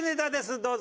どうぞ。